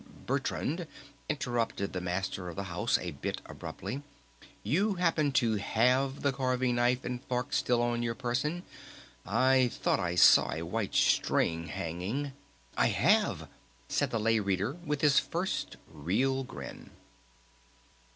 Bertrand," interrupted the Master of the House a bit abruptly, "you happen to have the carving knife and fork still on your person ... I thought I saw a white string hanging " "I have!" said the Lay Reader with his first real grin.